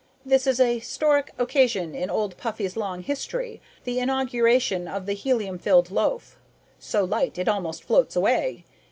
This is a historic occasion in Old Puffy's long history, the inauguration of the helium filled loaf ('So Light It Almost Floats Away!')